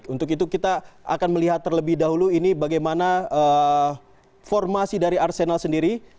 untuk itu kita akan melihat terlebih dahulu ini bagaimana formasi dari arsenal sendiri